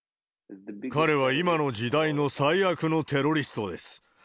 彼は今の時代の最悪のテロリストです。